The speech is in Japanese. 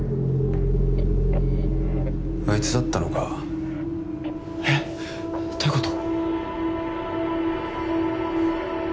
あいつだったのかえっどういうこと？